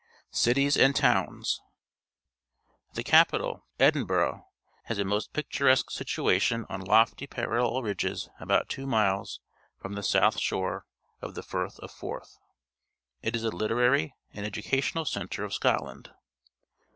Cities and Towns. — The capital, Edin hurgh, has a most picturesque situation on lofty parallel ridges about two miles from the south shore of the Firth of Forth. It is the Uterary and educational centre of Scotland.